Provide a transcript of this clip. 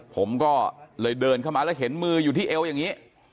ผมก็เลยเดินเข้ามาแล้วเห็นมืออยู่ที่เอวอย่างนี้